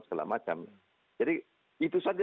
segala macam jadi itu saja